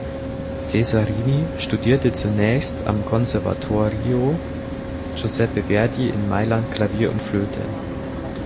Cesarini studierte zunächst am Conservatorio Giuseppe Verdi in Mailand Klavier und Flöte.